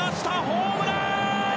ホームラン！